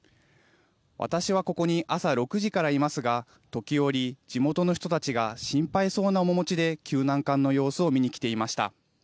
私はここに朝６時からいますが時折、地元の人たちが心配そうな面持ちで救難艦の様子を見に来ていました。